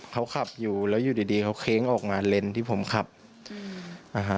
เขาขับอยู่แล้วอยู่ดีดีเขาเค้งออกมาเลนส์ที่ผมขับนะฮะ